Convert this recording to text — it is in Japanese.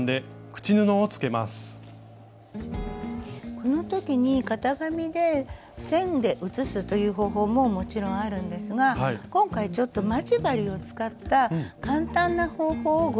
この時に型紙で線で写すという方法ももちろんあるんですが今回ちょっと待ち針を使った簡単な方法をご紹介したいと思います。